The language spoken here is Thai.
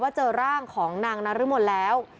ว่าเจอร่างของนางนารมนต์แล้ว